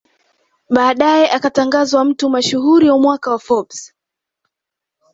Baadae akatangazwa mtu mashuhuri wa mwaka wa Forbes